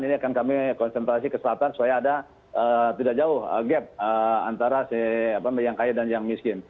ini akan kami konsentrasi ke selatan supaya ada tidak jauh gap antara yang kaya dan yang miskin